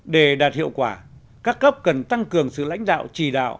để đạt hiệu quả các cấp cần tăng cường sự lãnh đạo chỉ đạo